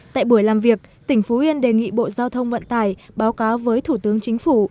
tại buổi làm việc tỉnh phú yên đề nghị bộ giao thông vận tải báo cáo với thủ tướng chính phủ